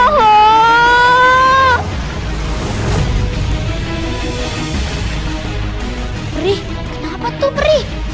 peri kenapa tuh peri